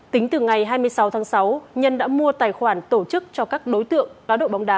tính từ ngày hai mươi sáu tháng sáu nhân đã mua tài khoản tổ chức cho các đối tượng cá độ bóng đá